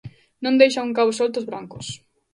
Non deixan un cabo solto os brancos.